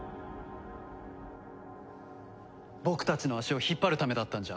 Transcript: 僕たちの足を引っ張るためだったんじゃ？